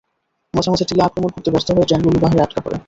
মাঝে মাঝে টিলা অতিক্রম করতে ব্যর্থ হয়ে ট্রেনগুলো পাহাড়ে আটকা পড়ে।